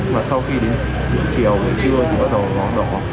mà sau khi đến chiều về trưa thì bắt đầu nó đỏ